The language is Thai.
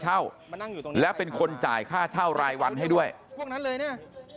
เช่าและเป็นคนจ่ายค่าเช่ารายวันให้ด้วยมาเหมือนกัน